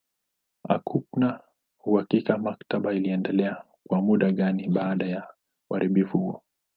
Hakuna uhakika maktaba iliendelea kwa muda gani baada ya uharibifu huo.